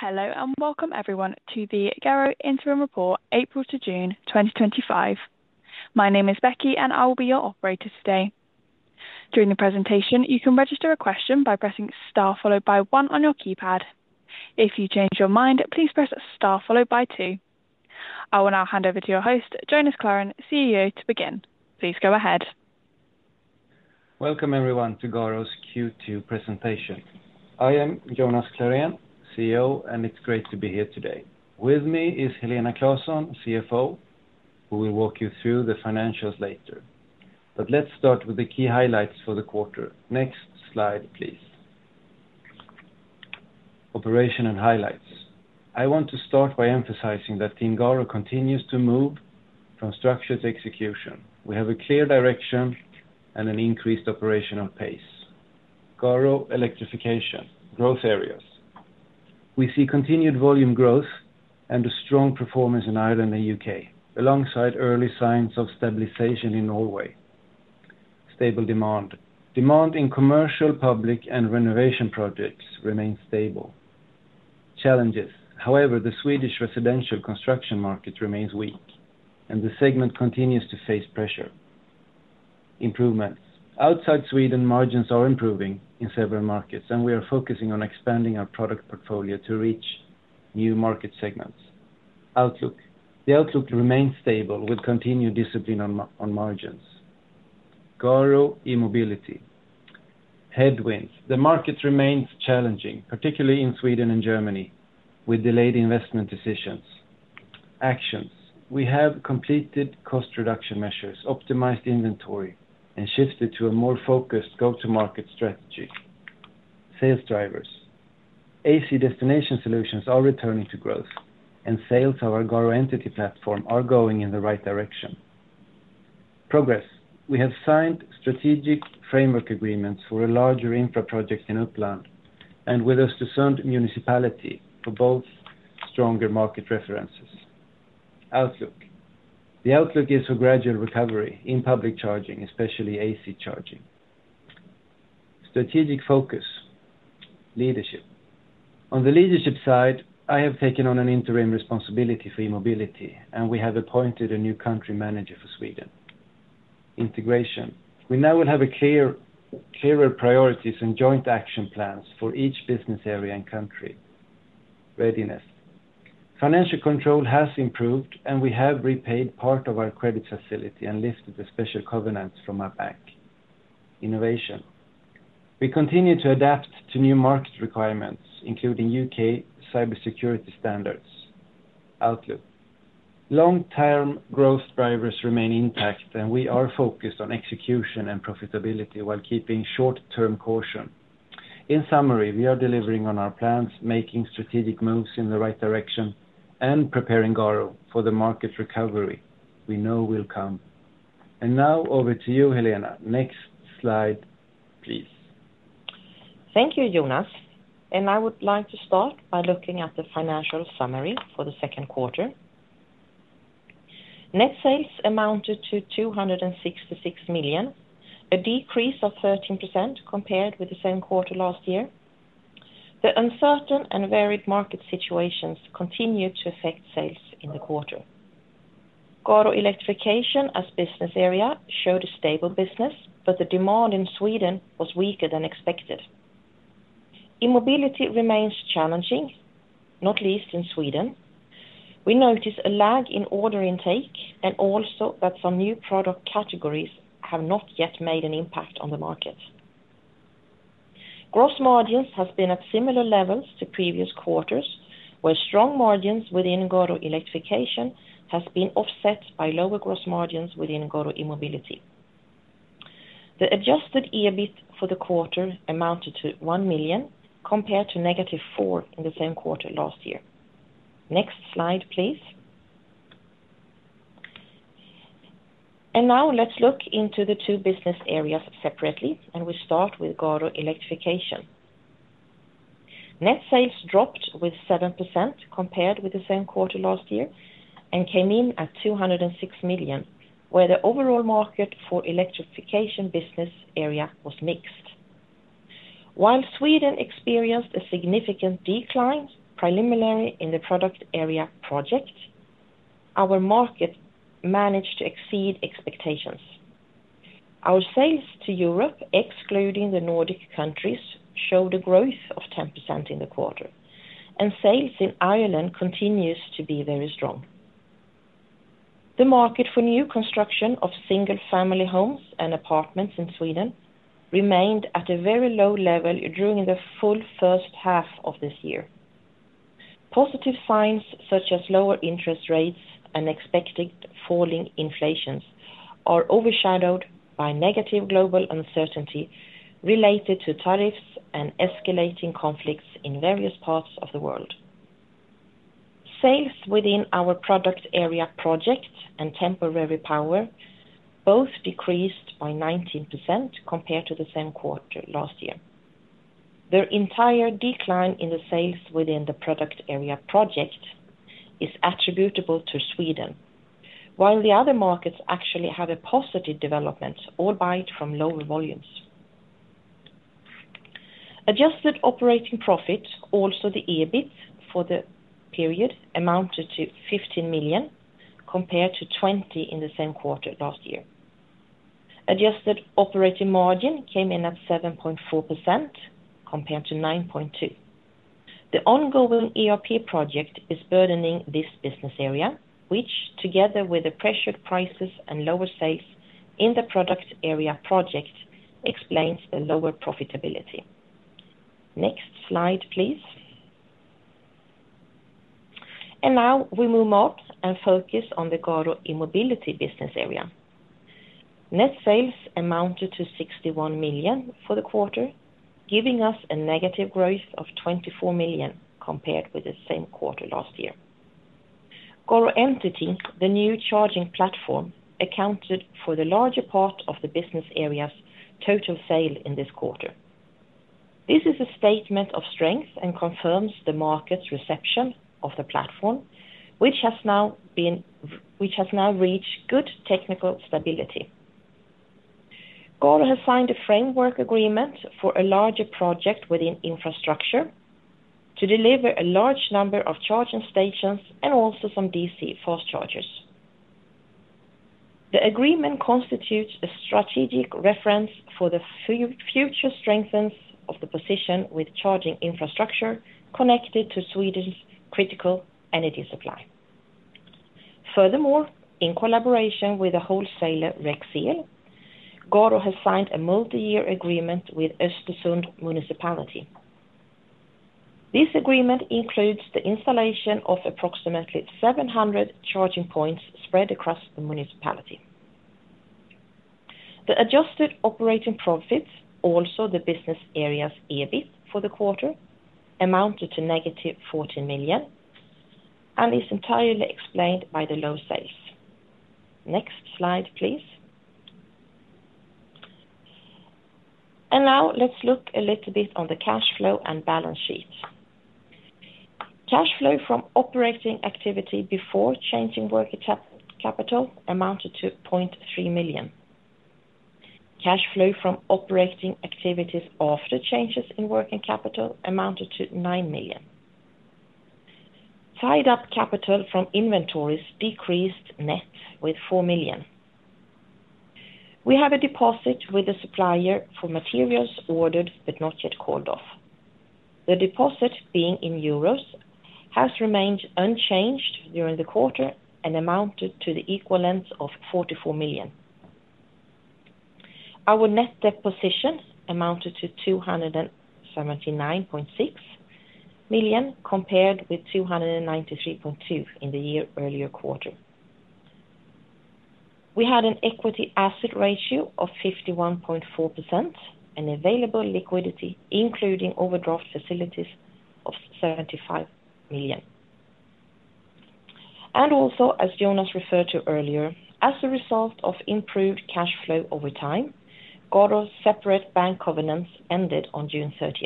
Hello and welcome everyone to the Garo interim report April to June 2025. My name is Becky and I will be your operator today. During the presentation, you can register a question by pressing * followed by 1 on your keypad. If you change your mind, please press * followed by 2. I will now hand over to your host, Jonas Klarén, CEO, to begin. Please go ahead. Welcome everyone to Garo's Q2 presentation. I am Jonas Klarén, CEO, and it's great to be here today. With me is Helena Claesson, CFO, who will walk you through the financials later. Let's start with the key highlights for the quarter. Next slide, please. Operation and highlights. I want to start by emphasizing that Team Garo continues to move from structure to execution. We have a clear direction and an increased operational pace. Garo Electrification growth areas. We see continued volume growth and a strong performance in Ireland and the UK, alongside early signs of stabilization in Norway. Stable demand. Demand in commercial, public, and renovation projects remains stable. Challenges. However, the Swedish residential construction market remains weak, and the segment continues to face pressure. Improvements. Outside Sweden, margins are improving in several markets, and we are focusing on expanding our product portfolio to reach new market segments. Outlook. The outlook remains stable with continued discipline on margins. Garo E-Mobility. Headwinds. The market remains challenging, particularly in Sweden and Germany, with delayed investment decisions. Actions. We have completed cost reduction measures, optimized inventory, and shifted to a more focused go-to-market strategy. Sales drivers. AC destination solutions are returning to growth, and sales of our Garo Entity platform are going in the right direction. Progress. We have signed strategic framework agreements for a larger infrastructure project in Uppland and with Östersund municipality for both stronger market references. Outlook. The outlook is for gradual recovery in public charging, especially AC charging. Strategic focus. Leadership. On the leadership side, I have taken on an interim responsibility for E-Mobility, and we have appointed a new Country Manager for Sweden. Integration. We now will have clearer priorities and joint action plans for each business area and country. Readiness. Financial control has improved, and we have repaid part of our credit facility and lifted the special covenants from our bank. Innovation. We continue to adapt to new market requirements, including UK cybersecurity standards. Outlook. Long-term growth drivers remain intact, and we are focused on execution and profitability while keeping short-term caution. In summary, we are delivering on our plans, making strategic moves in the right direction, and preparing Garo for the market recovery we know will come. Now over to you, Helena. Next slide, please. Thank you, Jonas. I would like to start by looking at the financial summary for the second quarter. Net sales amounted to 266 million, a decrease of 13% compared with the same quarter last year. The uncertain and varied market situations continued to affect sales in the quarter. Garo Electrification as a business area showed a stable business, but the demand in Sweden was weaker than expected. E-Mobility remains challenging, not least in Sweden. We noticed a lag in order intake and also that some new product categories have not yet made an impact on the market. Gross margins have been at similar levels to previous quarters, where strong margins within Garo Electrification have been offset by lower gross margins within Garo E-Mobility. The adjusted EBIT for the quarter amounted to 1 million, compared to negative 4 million in the same quarter last year. Next slide, please. Now let's look into the two business areas separately, and we start with Garo Electrification. Net sales dropped by 7% compared with the same quarter last year and came in at 206 million, where the overall market for the Electrification business area was mixed. While Sweden experienced a significant decline, primarily in the product area project, our market managed to exceed expectations. Our sales to Europe, excluding the Nordic countries, showed a growth of 10% in the quarter, and sales in Ireland continue to be very strong. The market for new construction of single-family homes and apartments in Sweden remained at a very low level during the full first half of this year. Positive signs such as lower interest rates and expected falling inflation are overshadowed by negative global uncertainty related to tariffs and escalating conflicts in various parts of the world. Sales within our product area project and temporary power both decreased by 19% compared to the same quarter last year. The entire decline in the sales within the product area project is attributable to Sweden, while the other markets actually have a positive development, albeit from lower volumes. Adjusted operating profit, also the EBIT for the period, amounted to 15 million, compared to 20 million in the same quarter last year. Adjusted operating margin came in at 7.4% compared to 9.2%. The ongoing ERP project is burdening this business area, which, together with the pressured prices and lower sales in the product area project, explains the lower profitability. Next slide, please. We move up and focus on the Garo E-Mobility business area. Net sales amounted to 61 million for the quarter, giving us a negative growth of 24 million compared with the same quarter last year. Garo Entity, the new charging platform, accounted for the larger part of the business area's total sale in this quarter. This is a statement of strength and confirms the market's reception of the platform, which has now reached good technical stability. Garo has signed a framework agreement for a larger project within infrastructure to deliver a large number of charging stations and also some DC fast chargers. The agreement constitutes a strategic reference for the future and strengthens the position with charging infrastructure connected to Sweden's critical energy supply. Furthermore, in collaboration with the wholesaler Rexel, Garo has signed a multi-year agreement with Östersund municipality. This agreement includes the installation of approximately 700 charging points spread across the municipality. The adjusted operating profit, also the business area's EBIT for the quarter, amounted to negative 14 million and is entirely explained by the low sales. Next slide, please. We look a little bit on the cash flow and balance sheet. Cash flow from operating activity before changing working capital amounted to 0.3 million. Cash flow from operating activities after changes in working capital amounted to 9 million. Tied-up capital from inventories decreased net with 4 million. We have a deposit with the supplier for materials ordered but not yet called off. The deposit, being in euros, has remained unchanged during the quarter and amounted to the equivalent of 44 million. Our net debt position amounted to 279.6 million compared with 293.2 million in the year earlier quarter. We had an equity asset ratio of 51.4% and available liquidity, including overdraft facilities, of 75 million. As Jonas referred to earlier, as a result of improved cash flow over time, Garo's separate bank covenants ended on June 30.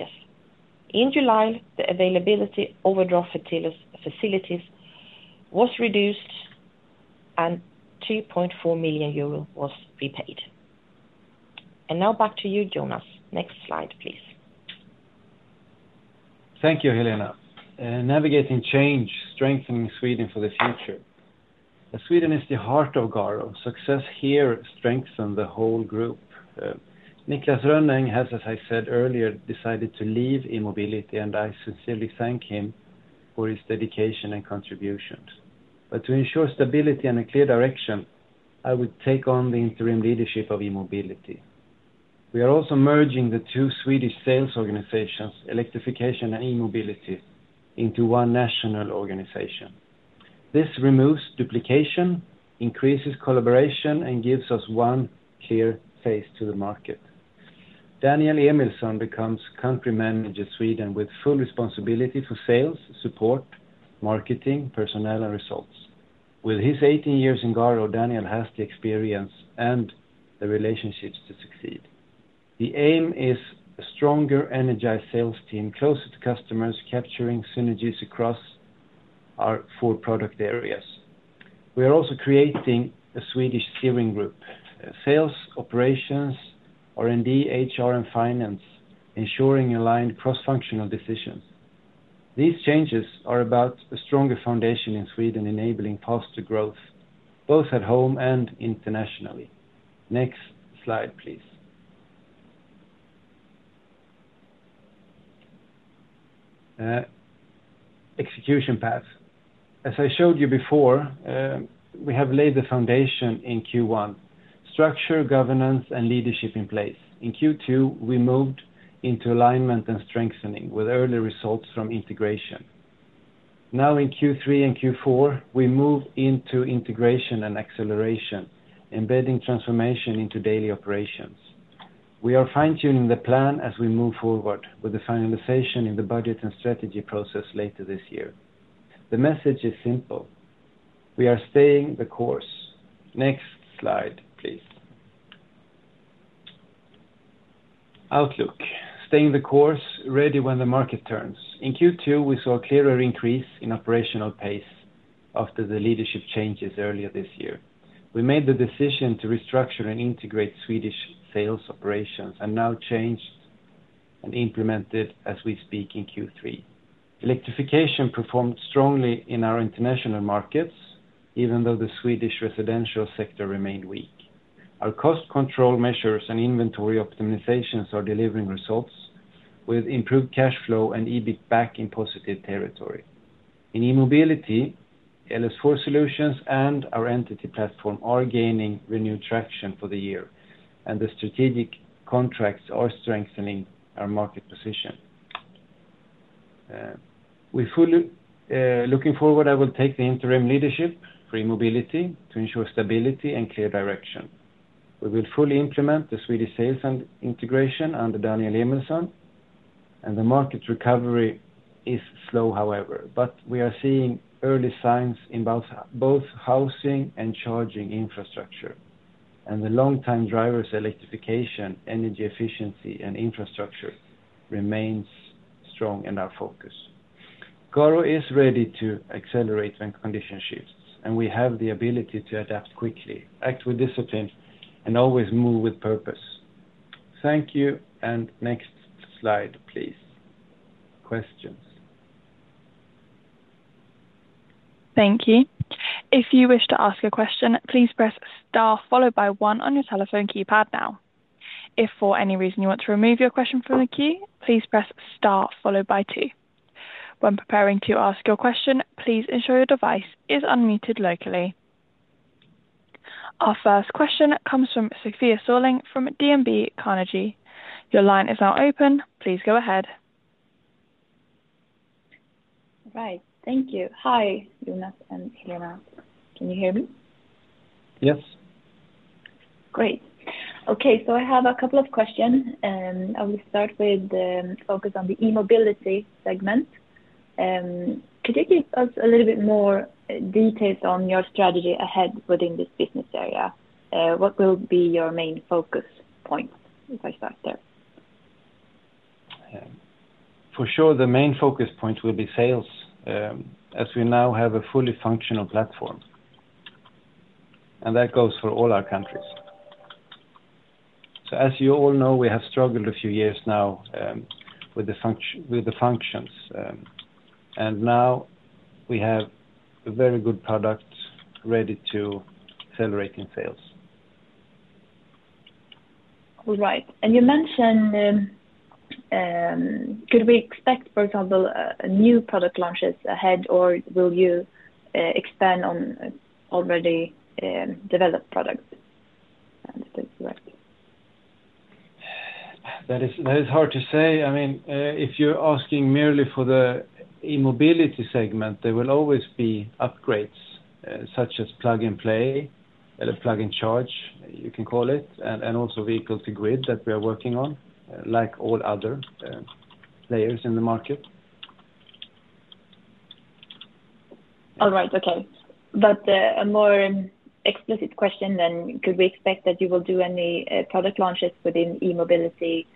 In July, the availability of overdraft facilities was reduced and €2.4 million was repaid. Now back to you, Jonas. Next slide, please. Thank you, Helena. Navigating change, strengthening Sweden for the future. Sweden is the heart of Garo. Success here strengthens the whole group. Niklas Rönning, as I said earlier, decided to leave E-Mobility, and I sincerely thank him for his dedication and contributions. To ensure stability and a clear direction, I would take on the interim leadership of E-Mobility. We are also merging the two Swedish sales organizations, Electrification and E-Mobility, into one national organization. This removes duplication, increases collaboration, and gives us one clear face to the market. Daniel Emilsson becomes Country Manager Sweden with full responsibility for sales, support, marketing, personnel, and results. With his 18 years in Garo, Daniel has the experience and the relationships to succeed. The aim is a stronger, energized sales team closer to customers, capturing synergies across our four product areas. We are also creating a Swedish steering group: sales, operations, R&D, HR, and finance, ensuring aligned cross-functional decisions. These changes are about a stronger foundation in Sweden, enabling faster growth, both at home and internationally. Next slide, please. Execution path. As I showed you before, we have laid the foundation in Q1. Structure, governance, and leadership in place. In Q2, we moved into alignment and strengthening with early results from integration. Now in Q3 and Q4, we move into integration and acceleration, embedding transformation into daily operations. We are fine-tuning the plan as we move forward with the finalization in the budget and strategy process later this year. The message is simple. We are staying the course. Next slide, please. Outlook. Staying the course, ready when the market turns. In Q2, we saw a clearer increase in operational pace after the leadership changes earlier this year. We made the decision to restructure and integrate Swedish sales operations and now changed and implemented as we speak in Q3. Electrification performed strongly in our international markets, even though the Swedish residential sector remained weak. Our cost control measures and inventory optimizations are delivering results with improved cash flow and EBIT back in positive territory. In E-Mobility, LS4 Solutions and our Entity platform are gaining renewed traction for the year, and the strategic contracts are strengthening our market position. Looking forward, I will take the interim leadership for E-Mobility to ensure stability and clear direction. We will fully implement the Swedish sales and integration under Daniel Emilsson, and the market recovery is slow, however, we are seeing early signs in both housing and charging infrastructure. The long-time drivers, electrification, energy efficiency, and infrastructure remain strong in our focus. Garo is ready to accelerate when condition shifts, and we have the ability to adapt quickly, act with discipline, and always move with purpose. Thank you, and next slide, please. Questions? Thank you. If you wish to ask a question, please press * followed by 1 on your telephone keypad now. If for any reason you want to remove your question from the queue, please press * followed by 2. When preparing to ask your question, please ensure your device is unmuted locally. Our first question comes from Sophia Soling from DNB Carnegie. Your line is now open. Please go ahead. Right. Thank you. Hi, Jonas and Helena. Can you hear me? Yes. Great. Okay. I have a couple of questions, and I'll start with focus on the E-Mobility segment. Could you give us a little bit more details on your strategy ahead within this business area? What will be your main focus point? If I start there. For sure, the main focus point will be sales, as we now have a fully functional platform. That goes for all our countries. As you all know, we have struggled a few years now with the functions, and now we have a very good product ready to accelerate in sales. All right. You mentioned, could we expect, for example, new product launches ahead, or will you expand on already developed products? That is hard to say. I mean, if you're asking merely for the E-Mobility segment, there will always be upgrades such as plug and play, plug and charge, you can call it, and also vehicle to grid that we are working on, like all other players in the market. All right. Okay. A more explicit question then, could we expect that you will do any product launches within E-Mobility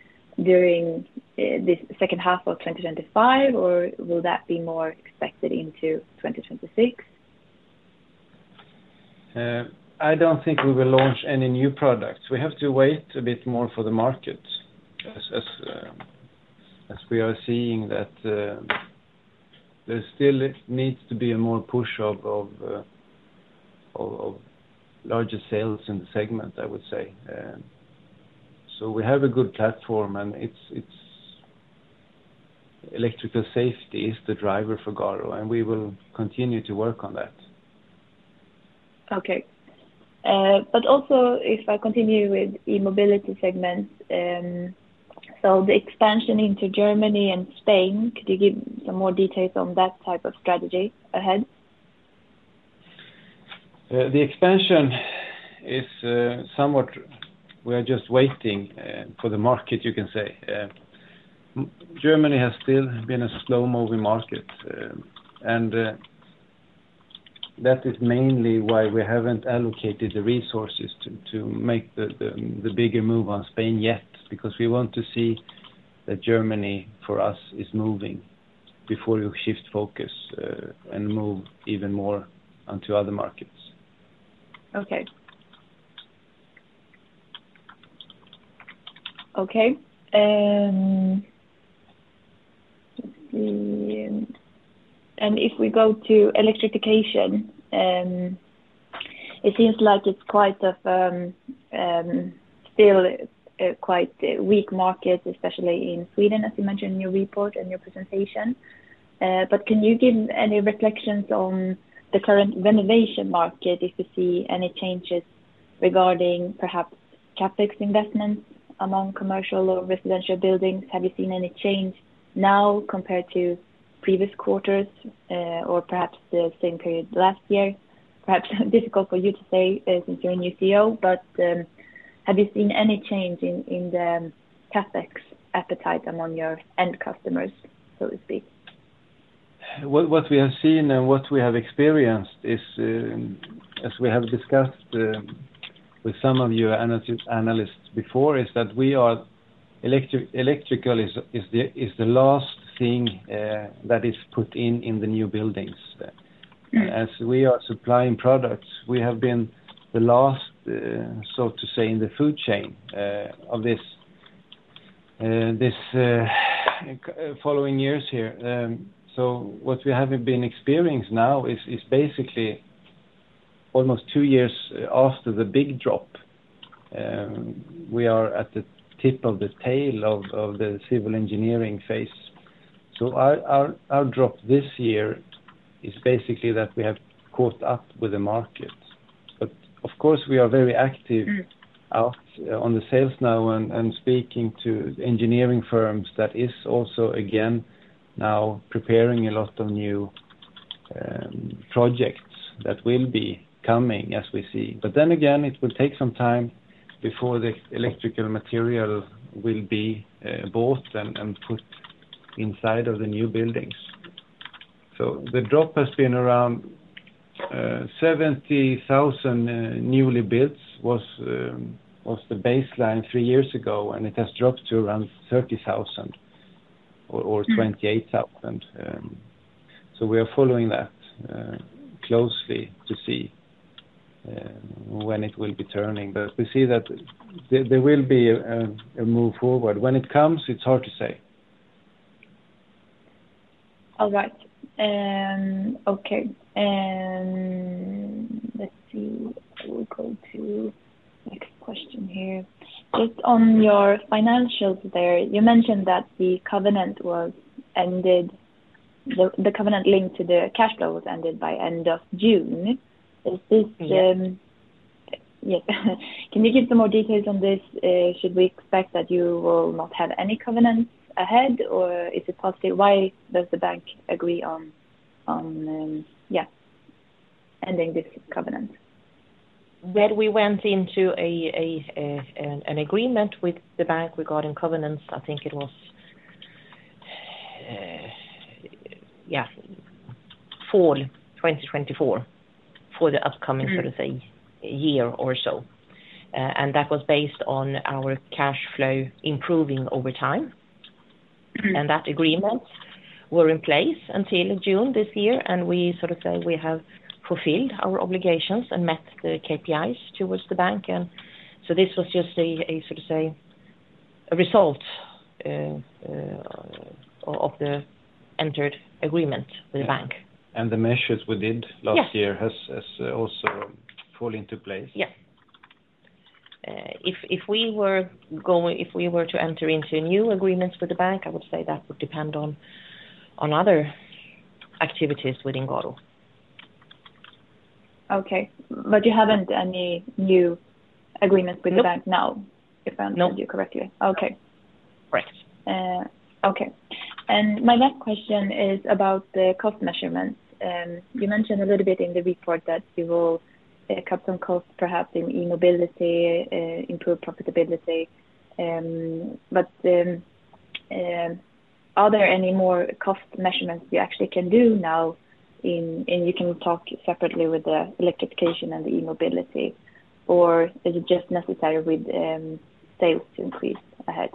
during this second half of 2025, or will that be more expected into 2026? I don't think we will launch any new products. We have to wait a bit more for the market, as we are seeing that there still needs to be a more push of larger sales in the segment, I would say. We have a good platform, and electrical safety is the driver for Garo, and we will continue to work on that. If I continue with the E-Mobility segment, the expansion into Germany and Spain, could you give some more details on that type of strategy ahead? The expansion is somewhat we are just waiting for the market, you can say. Germany has still been a slow-moving market, and that is mainly why we haven't allocated the resources to make the bigger move on Spain yet, because we want to see that Germany, for us, is moving before you shift focus and move even more onto other markets. Okay. If we go to electrification, it seems like it's still quite a weak market, especially in Sweden, as you mentioned in your report and your presentation. Can you give any reflections on the current renovation market if you see any changes regarding perhaps CapEx investments among commercial or residential buildings? Have you seen any change now compared to previous quarters or perhaps the same period last year? Perhaps difficult for you to say since you're a new CEO, but have you seen any change in the CapEx appetite among your end customers, so to speak? What we have seen and what we have experienced is, as we have discussed with some of your analysts before, is that electrical is the last thing that is put in in the new buildings. As we are supplying products, we have been the last, so to say, in the food chain of this following years here. What we have been experiencing now is basically almost two years after the big drop. We are at the tip of the tail of the civil engineering phase. Our drop this year is basically that we have caught up with the market. Of course, we are very active on the sales now and speaking to engineering firms that are also, again, now preparing a lot of new projects that will be coming as we see. It will take some time before the electrical material will be bought and put inside of the new buildings. The drop has been around 70,000 newly built was the baseline three years ago, and it has dropped to around 30,000 or 28,000. We are following that closely to see when it will be turning. We see that there will be a move forward. When it comes, it's hard to say. All right. Okay. Let's see. We'll go to the next question here. Just on your financials, you mentioned that the covenant was ended. The covenant linked to the cash flow was ended by the end of June Can you give some more details on this? Should we expect that you will not have any covenant ahead, or is it possible? Why does the bank agree on, yeah, ending this covenant? We went into an agreement with the bank regarding covenants. I think it was, yeah, fall 2024 for the upcoming, so to say, year or so. That was based on our cash flow improving over time. That agreement was in place until June this year, and we have fulfilled our obligations and met the KPIs towards the bank. This was just a result of the entered agreement with the bank. The measures we did last year have also fallen into place. If we were to enter into new agreements with the bank, I would say that would depend on other activities within Garo. Okay. You haven't had any new agreements with the bank now, if I understood you correctly? No. Okay. Correct. Okay. My next question is about the cost measurements. You mentioned a little bit in the report that you will cut some costs, perhaps in E-Mobility, improve profitability. Are there any more cost measurements you actually can do now? You can talk separately with the Electrification and the E-Mobility, or is it just necessary with sales to increase ahead?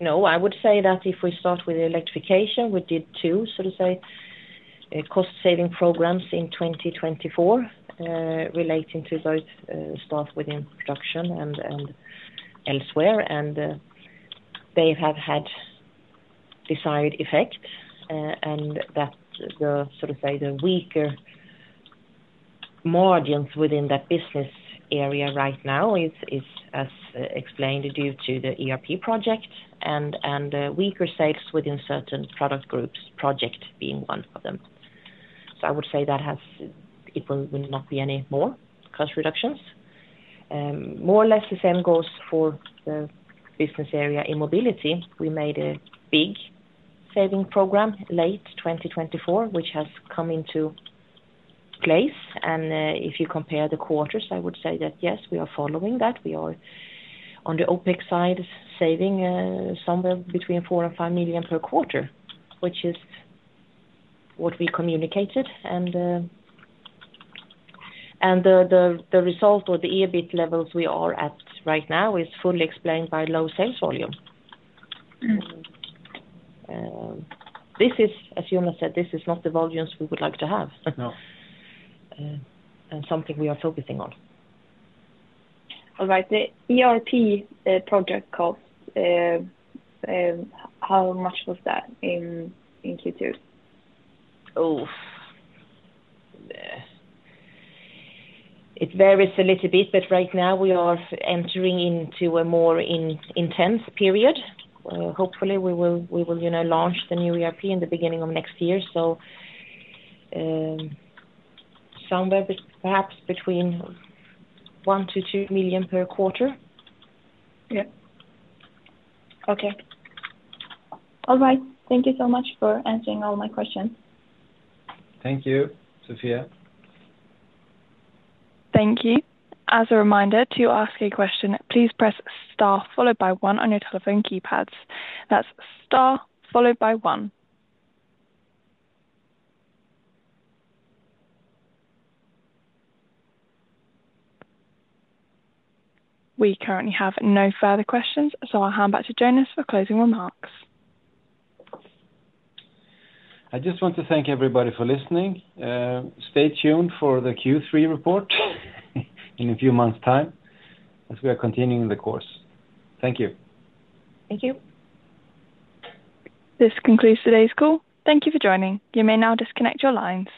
No. I would say that if we start with the electrification, we did two cost-saving programs in 2024 relating to both staff within construction and elsewhere. They have had the desired effect. The weaker margins within that business area right now are, as explained, due to the ERP project and weaker sales within certain product groups, project being one of them. I would say that it will not be any more cost reductions. More or less the same goes for the business area E-Mobility. We made a big saving program late 2024, which has come into place. If you compare the quarters, I would say that, yes, we are following that. We are on the OpEx side saving somewhere between 4 million and 5 million per quarter, which is what we communicated. The result or the EBIT levels we are at right now is fully explained by low sales volume. This is, as Jonas Klarén said, this is not the volumes we would like to have. No. is something we are focusing on. All right. The ERP project cost, how much was that in Q2? It varies a little bit, but right now, we are entering into a more intense period. Hopefully, we will launch the new ERP at the beginning of next year. Somewhere, perhaps between 1 million to 2 million per quarter. Okay. All right. Thank you so much for answering all my questions. Thank you, Sophia. Thank you. As a reminder, to ask a question, please press * followed by 1 on your telephone keypads. That's * followed by 1. We currently have no further questions, so I'll hand back to Jonas Klarén for closing remarks. I just want to thank everybody for listening. Stay tuned for the Q3 report in a few months' time as we are continuing the course. Thank you. Thank you. This concludes today's call. Thank you for joining. You may now disconnect your lines.